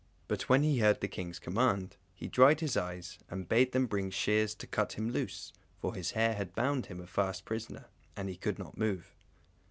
But when he heard the King's command, he dried his eyes and bade them bring shears to cut him loose, for his hair had bound him a fast prisoner and he could not move.